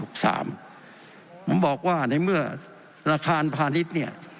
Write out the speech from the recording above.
ผมบอกว่าในเมื่อราคาพาณิชย์เนี่ย